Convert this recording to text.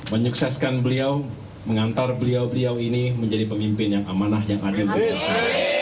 menyukseskan beliau mengantar beliau beliau ini menjadi pemimpin yang amanah yang ada